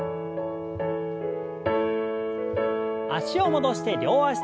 脚を戻して両脚跳び。